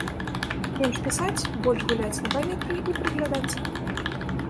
Менш пісаць, больш гуляць на паветры і прыглядацца!